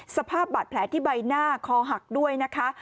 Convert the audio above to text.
สภาพบาดแผลที่ใบหน้าคอหักด้วยนะคะ